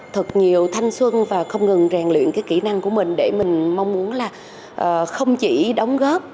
thật nhiều thanh xuân và không ngừng rèn luyện cái kỹ năng của mình để mình mong muốn là không chỉ đóng góp